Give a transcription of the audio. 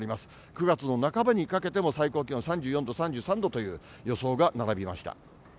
９月の半ばにかけても最高気温３４度、３３度という予想が並びました。